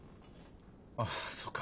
ああそうか。